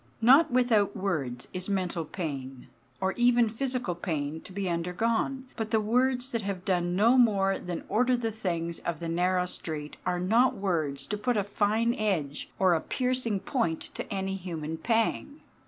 Not without words is mental pain, or even physical pain, to be undergone; but the words that have done no more than order the things of the narrow street are not words to put a fine edge or a piercing point to any human pang.